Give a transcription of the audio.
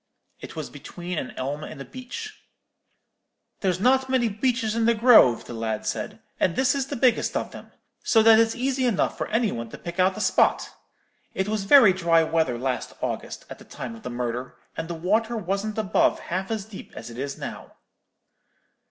It was between an elm and a beech. "'There's not many beeches in the grove,' the lad said, 'and this is the biggest of them. So that it's easy enough for any one to pick out the spot. It was very dry weather last August at the time of the murder, and the water wasn't above half as deep as it is now.'